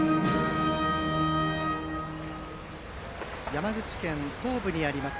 山口県東部にあります